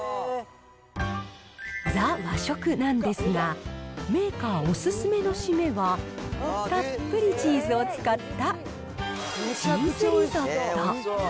ＴＨＥ和食なんですが、メーカーおすすめの締めは、たっぷりチーズを使ったチーズリゾット。